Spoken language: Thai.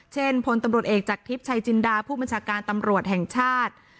พลตำรวจเอกจากทิพย์ชัยจินดาผู้บัญชาการตำรวจแห่งชาติ